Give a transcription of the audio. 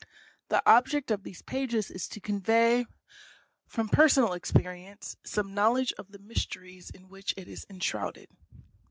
The object of these pages is to convey, from personal expe rience, some knowledge of the mysteries in which it is en shrouded.